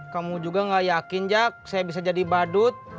kamu juga gak yakin jak saya bisa jadi badut